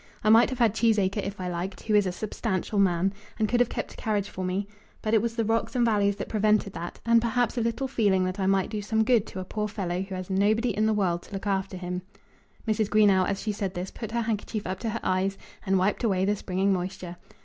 I might have had Cheesacre if I liked, who is a substantial man, and could have kept a carriage for me; but it was the rocks and valleys that prevented that; and perhaps a little feeling that I might do some good to a poor fellow who has nobody in the world to look after him." Mrs. Greenow, as she said this, put her handkerchief up to her eyes, and wiped away the springing moisture.